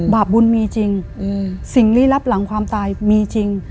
บาปบุญมีจริงสิ่งลี้ลับหลังความตายมีจริง